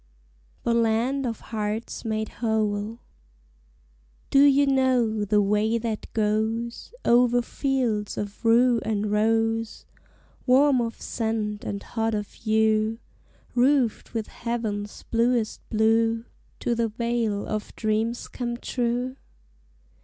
THE LAND OF HEARTS MADE WHOLE Do you know the way that goes Over fields of rue and rose, Warm of scent and hot of hue, Roofed with heaven's bluest blue, To the Vale of Dreams Come True?